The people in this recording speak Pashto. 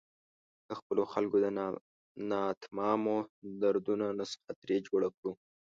د خپلو خلکو د ناتمامو دردونو نسخه ترې جوړه کړو.